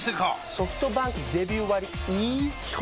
ソフトバンクデビュー割イズ基本